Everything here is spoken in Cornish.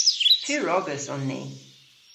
Pur ogas on ni.